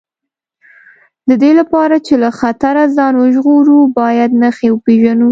د دې لپاره چې له خطره ځان وژغورو باید نښې وپېژنو.